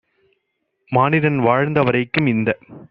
மானிடன் வாழ்ந்த வரைக்கும் - இந்த